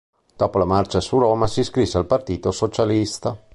Dopo la marcia su Roma si iscrisse al Partito Socialista.